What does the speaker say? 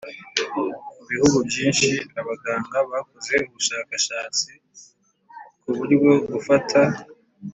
Mu bihugu byinshi abaganga bakoze ubushakashatsi ku buryo gufata